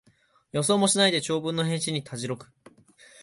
予想もしない長文の返信にたじろぐ